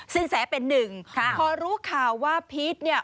สินแสเป็นหนึ่งพอรู้ข่าวว่าพีชเนี่ย